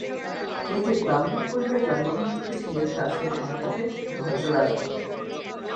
তিনি যে ব্রাহ্মণ পরিবারে জন্মগ্রহণ করেছিলেন তা ছিল সমতটের ভদ্র রাজবংশ।